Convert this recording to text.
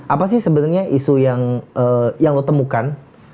apa sih sebenarnya isu yang lo temukan